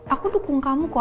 aku dukung kamu kok